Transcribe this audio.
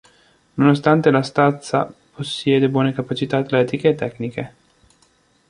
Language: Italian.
Nonostante la stazza possiede buone capacità atletiche e tecniche.